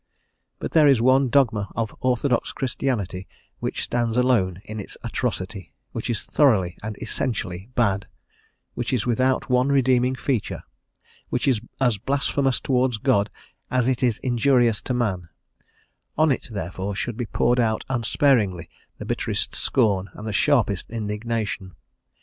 But there is one dogma of Orthodox Christianity which stands alone in its atrocity, which is thoroughly and essentially bad, which is without one redeeming feature, which is as blasphemous towards God as it is injurious to man; on it therefore should be poured out unsparingly the bitterest scorn and the sharpest indignation.